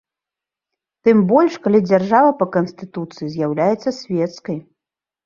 Тым больш, калі дзяржава па канстытуцыі з'яўляецца свецкай.